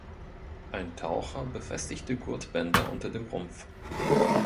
Ein Taucher befestigte Gurtbänder unter dem Rumpf.